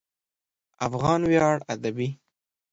افغان ویاړ ادبي